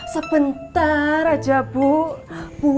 sebentar aja bu